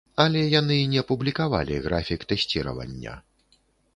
Але яны не публікавалі графік тэсціравання.